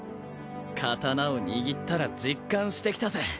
刀を握ったら実感してきたぜ！